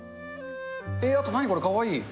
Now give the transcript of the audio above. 何これ、かわいい。